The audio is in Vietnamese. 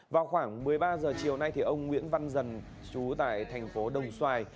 vào khoảng một mươi ba h chiều nay ông nguyễn văn dần chú tại thành phố đồng xoài